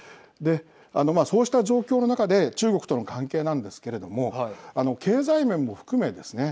そうした状況の中で中国との関係なんですけれども経済面も含めですね